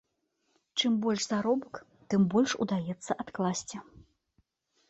Чым большы заробак, тым больш удаецца адкласці.